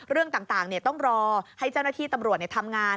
เรื่องต่างต้องรอให้เจ้าหน้าที่ตำรวจทำงาน